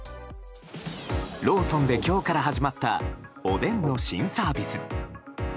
ローソンで今日から始まったおでんの新サービス。